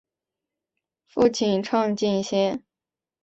父亲畅敬先。